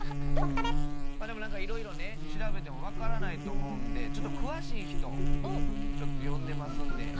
まあでも何かいろいろね調べても分からないと思うんでちょっと詳しい人呼んでますんで。